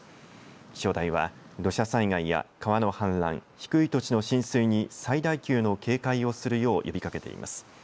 気象台は土砂災害や川の氾濫低い土地の浸水に最大級の警戒をするよう呼びかけています。